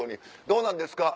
どうなんですか？